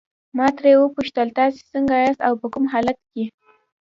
ما ترې وپوښتل تاسي څنګه یاست او په کوم حالت کې.